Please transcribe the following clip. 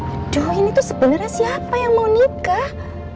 aduh ini tuh sebenarnya siapa yang mau nikah